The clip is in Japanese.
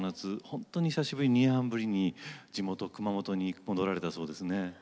本当に久しぶりに２年半ぶりに地元熊本県に戻られたそうですね。